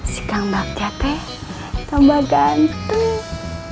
sikang baktyate tambah gantung